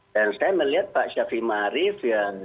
dan saya melihat pak syafiq mahrif